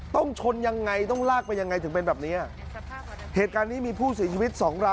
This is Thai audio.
ติดอยู่ใต้ท้องแบบนี้คุณผู้ชมค่ะ